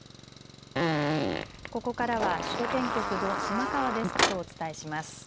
ここからは首都圏局の島川デスクとお伝えします。